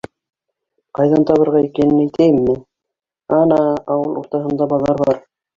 Ҡайҙан табырға икәнен әйтәйемме? Ана, ауыл уртаһында баҙар бар.